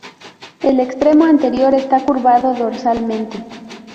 El extremo anterior está curvado dorsalmente.